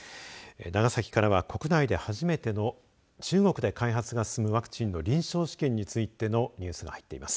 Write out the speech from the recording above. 長崎からは国内で初めての中国で開発が進むワクチンの臨床試験についてのニュースが入っています。